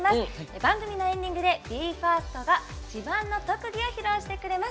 番組のエンディングでＢＥ：ＦＩＲＳＴの誰かが自慢の特技を披露してくれます。